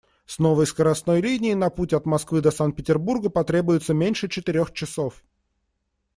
С новой скоростной линией на путь от Москвы до Санкт-Петербурга потребуется меньше четырёх часов.